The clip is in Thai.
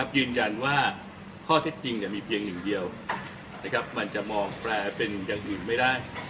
ยืนยันว่าข้อเท็จจริงมีเพียงหนึ่งเดียวมันจะมองแปลเป็นอย่างอื่นไม่ได้